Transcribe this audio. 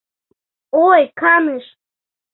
Ой, каныш.